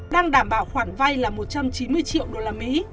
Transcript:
đang đảm bảo khoản vay là một trăm chín mươi triệu đô la mỹ